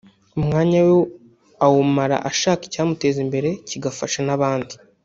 umwanya we awumara ashaka icyamuteza imbere kigafasha n’abandi